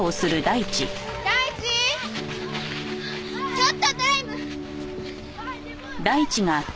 ちょっとタイム！